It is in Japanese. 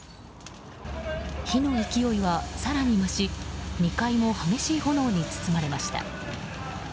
火の勢いは更に増し２階も激しい炎に包まれました。